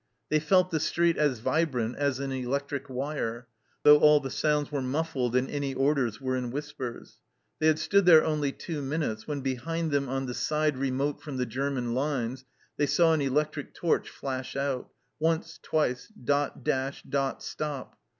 They felt the street as vibrant as an electric wire, though all the sounds were muffled and any orders were in whispers. They had stood there only two minutes, when behind them on the side remote from the German lines they saw an electric torch flash out once, twice, dot, dash, dot, stop